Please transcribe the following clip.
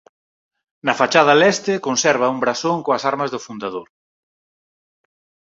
Na fachada leste conserva un brasón coas armas do fundador.